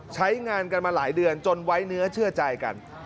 ใช้งานกันมาหลายเดือนจนไว้เนื้อเชื่อใจกัน